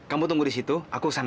kamu sudah aeritasnya